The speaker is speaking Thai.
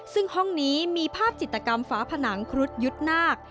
ซึ่งห้องนี้มีภาพจิตกรรมฝาผนังครุฑยุทธ์นาค